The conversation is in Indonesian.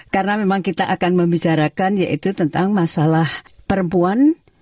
karena memang kita akan membicarakan yaitu tentang masalah perempuan